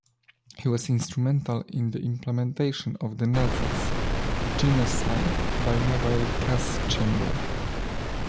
He was instrumental in the implementation of the Nazis' genocide by mobile gas chamber.